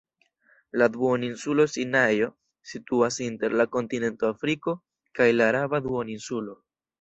La duoninsulo Sinajo situas inter la kontinento Afriko kaj la Araba duoninsulo.